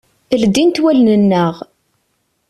Ldint wallen-nneɣ.